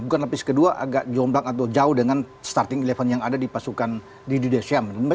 bukan lapis kedua agak jombak atau jauh dengan starting eleven yang ada di pasukan didier deschamps